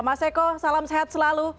mas eko salam sehat selalu